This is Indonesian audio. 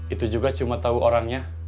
itu juga cuma tahu orangnya